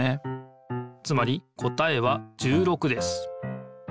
つまり答えは１６です。